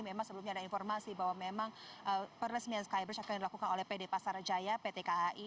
memang sebelumnya ada informasi bahwa memang peresmian skybridge akan dilakukan oleh pd pasar jaya pt kai